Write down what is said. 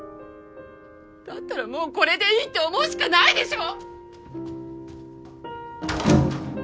だったらもうこれでいいって思うしかないでしょ！